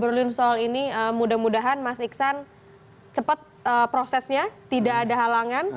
mas besanda ngobrolin soal ini mudah mudahan mas iksan cepat prosesnya tidak ada halangan